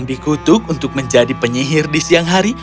dia menikahi putri martina untuk menjadi penyihir di siang hari